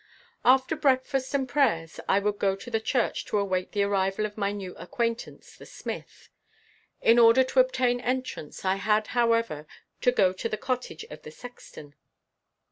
After breakfast and prayers, I would go to the church to await the arrival of my new acquaintance the smith. In order to obtain entrance, I had, however, to go to the cottage of the sexton.